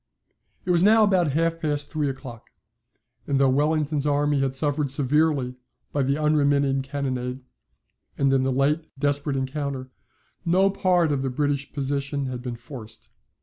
It was now about half past three o'clock; and though Wellington's army had suffered severely by the unremitting cannonade, and in the late desperate encounter, no part of the British position had been forced.